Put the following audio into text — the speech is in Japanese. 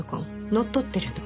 乗っ取ってるの。